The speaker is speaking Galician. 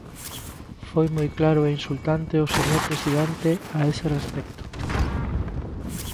Foi moi claro e insultante o señor presidente a ese respecto.